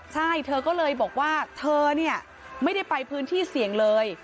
ใช่เธอก็เลยบอกว่าเธอเนี่ยไม่ได้ไปพื้นที่เสี่ยงเลย